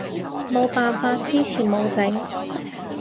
冇辦法，之前冇整